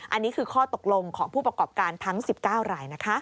อันนี้คือข้อตกลงของผู้ประกอบการทั้ง๑๙รายนะคะ